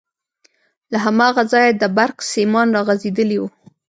له هماغه ځايه د برق سيمان راغځېدلي وو.